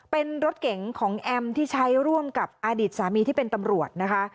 เป็นรถเก๋งของแอมที่ใช้ร่วมกับอดีตสามีที่เป็นตำรวจนะคะ